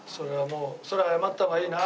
それは謝った方がいいな。